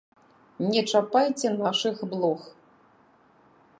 Не чапайце нашых блох!